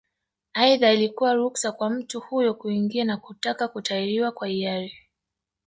Aidha ilikuwa ruksa kwa mtu huyo kuingia na kutaka kutahiriwa kwa hiari